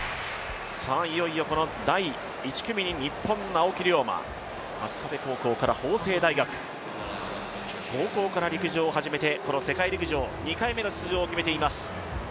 いよいよ第１組に日本の青木涼真、法政大学、高校から陸上を始めて高校から陸上を始めて、世界陸上２回目の出場を決めています。